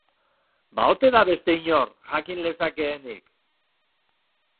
Ba ote da beste inor, jakin lezakeenik?